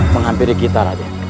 menghampiri kita raden